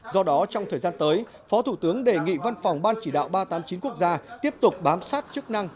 do đó trong thời gian tới phó thủ tướng đề nghị văn phòng ban chỉ đạo ba trăm tám mươi chín quốc gia tiếp tục bám sát chức năng